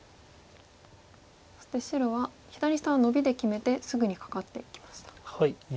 そして白は左下はノビで決めてすぐにカカっていきました。